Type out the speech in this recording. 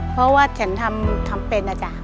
เพราะว่าฉันทำเป็นนะจ๊ะ